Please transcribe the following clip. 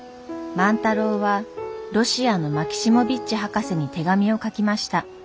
万太郎はロシアのマキシモヴィッチ博士に手紙を書きました。